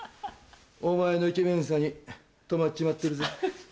お前のイケメンさに止まっちまってるぜ。